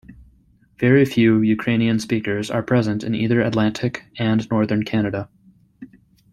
Very few Ukrainian speakers are present in either Atlantic and Northern Canada.